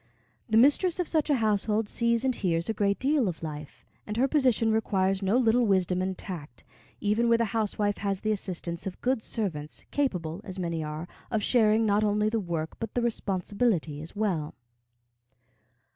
The mistress of such a household sees and hears a great deal of life; and her position requires no little wisdom and tact, even where the housewife has the assistance of good servants, capable, as many are, of sharing not only the work, but the responsibility as well.